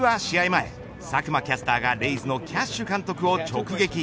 前佐久間キャスターがレイズのキャッシュ監督を直撃。